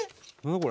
これ」